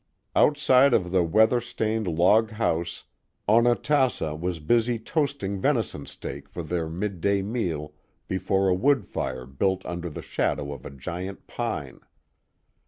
Outside of the weather stained log house Onatassa was busy toasting venison steak for their midday meal before a wood fire built under the shadow of a giant pine.